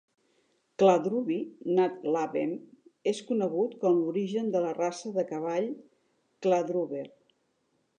Kladruby nad Labem és conegut com l'origen de la raça de cavall Kladruber.